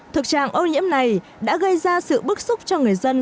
thực trạng ô nhiễm này đã gây ra sự bức xúc cho người dân